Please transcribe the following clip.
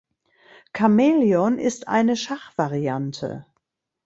Chamäleon ist eine Schachvariante.